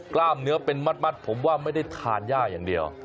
กล้ามเนื้อเป็นมัดผมว่าไม่ได้ทานย่าอย่างเดียว